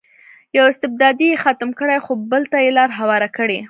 یو استبداد یې ختم کړی خو بل ته یې لار هواره کړې.